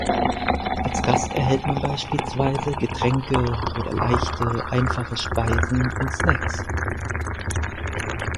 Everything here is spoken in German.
Als Gast erhält man beispielsweise Getränke oder leichte, einfache Speisen und Snacks.